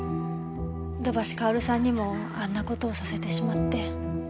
土橋かおるさんにもあんな事をさせてしまって。